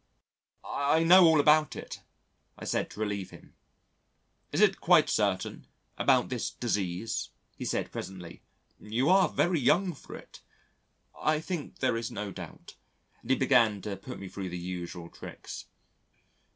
"I know all about it," I said to relieve him. "Is it quite certain? about this disease?" he said presently. "You are very young for it." "I think there is no doubt," and he began to put me thro' the usual tricks.